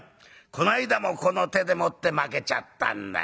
こないだもこの手でもって負けちゃったんだよな。